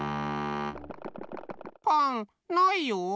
パンないよ。